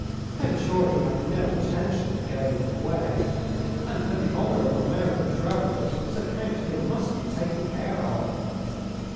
I am sure he had no intention of going away. And for the honor of American travellers his account here must be taken care of."